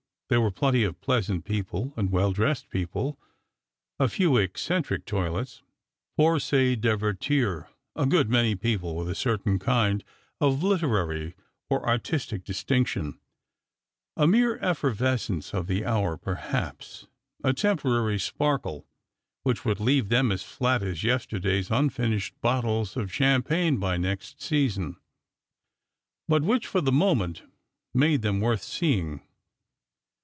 There were plenty of pleasant people and well dressed people, a few eccentric toilets, 'pour se divertir, a good many people with a certain kind of literary or artistic distinc tion, a mere effervescence of the hour perhaps, — a temporary sparkle, which would leave them as flat as yesterday's un finished bottles of champagne by next season, but which for the moment made them worth seeing.